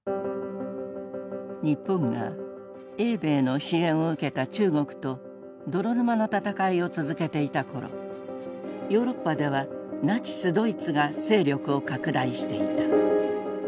日本が英米の支援を受けた中国と泥沼の戦いを続けていた頃ヨーロッパではナチス・ドイツが勢力を拡大していた。